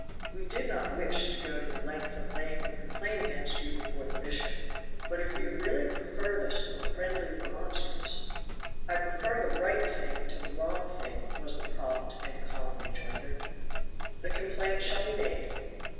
"We did not wish to go to the length of laying a complaint against you before the bishop, but if you really prefer this to a friendly remonstrance " "I prefer the right thing to the wrong thing," was the prompt and calm rejoinder. "The complaint shall be made."